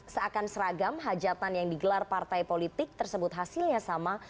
seakan seragam hajatan yang digelar partai politik tersebut hasilnya sama